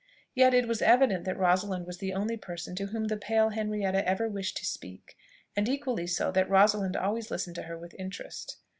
Yet it was evident that Rosalind was the only person to whom the pale Henrietta ever wished to speak, and equally so that Rosalind always listened to her with interest.